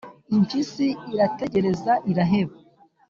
impyisi irategereza iraheba